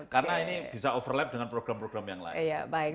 karena ini bisa overlap dengan program program yang lain